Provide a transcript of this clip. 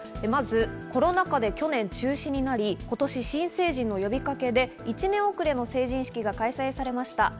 まずコロナ禍で去年中止になり、今年、新成人の呼びかけで１年遅れの成人式が開催されました。